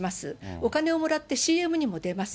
お金をもらってＣＭにも出ます。